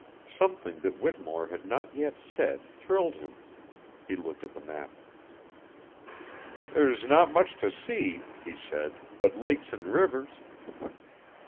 Something that Whittemore had not yet said thrilled him. He looked at the map. "There's not much to see," he said, "but lakes and rivers."